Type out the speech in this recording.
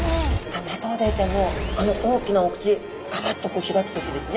マトウダイちゃんのあの大きなお口ガバッと開く時ですね